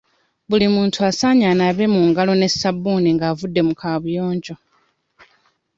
Buli muntu asaanye anaabe mu ngalo ne ssabbuuni nga avudde mu kaabuyonjo.